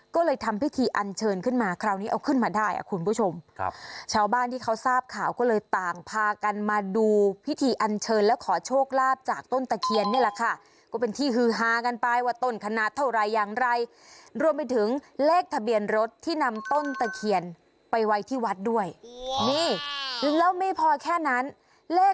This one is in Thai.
ก็เลยทำพิธีอันเชิญขึ้นมาคราวนี้เอาขึ้นมาได้อ่ะคุณผู้ชมครับชาวบ้านที่เขาทราบข่าวก็เลยต่างพากันมาดูพิธีอันเชิญและขอโชคลาภจากต้นตะเคียนนี่แหละค่ะก็เป็นที่ฮือฮากันไปว่าต้นขนาดเท่าไรอย่างไรรวมไปถึงเลขทะเบียนรถที่นำต้นตะเคียนไปไว้ที่วัดด้วยนี่แล้วไม่พอแค่นั้นเลข